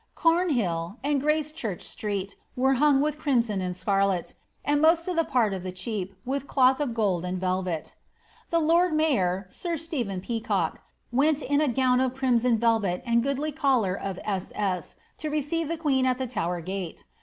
Comhill and Grarechurch Street were hung with crim son and scarlet, and most part of the Chepe with cloth of gold and velvet. "The lord mayor, sir Stephen Peacock, went in a gown of crimson velvet and a goodly collar of S.S. to receive the queen at the Tower /rate.